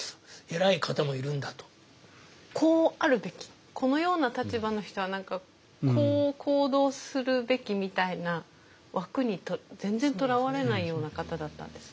こうあるべきこのような立場の人は何かこう行動するべきみたいな枠に全然とらわれないような方だったんですね。